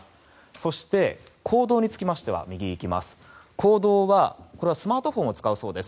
そして、行動については行動はスマートフォンを使うそうです。